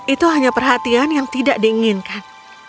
itu hanya perhatian yang tidak diinginkan